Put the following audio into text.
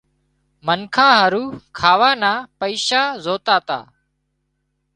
منکان هارُو کاوا نا پئيشا زوتا تا